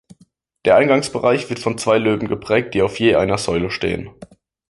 Der Eingangsbereich wird von zwei Löwen geprägt, die auf je einer Säule stehen.